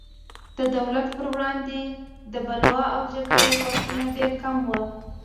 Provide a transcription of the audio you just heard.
د دولت پر وړاندې د بلوا او جګړې ګواښونه ډېر کم وو.